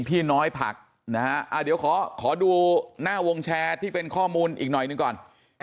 พี่น้อยผักนะฮะเดี๋ยวขอดูหน้าวงแชร์ที่เป็นข้อมูลอีกหน่อยหนึ่งก่อน